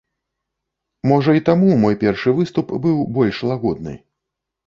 Можа і таму мой першы выступ быў больш лагодны.